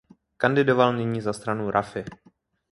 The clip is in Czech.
Kandidoval nyní za stranu Rafi.